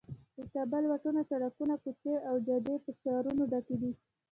د کابل واټونه، سړکونه، کوڅې او جادې په شعارونو ډک دي.